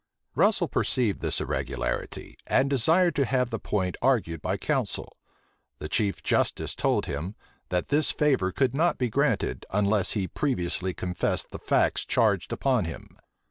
Russel perceived this irregularity, and desired to have the point argued by counsel: the chief justice told him, that this favor could not be granted, unless he previously confessed the facts charged upon him.